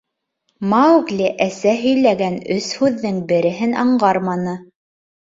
Маугли әсә һөйләгән өс һүҙҙең береһен аңғарманы.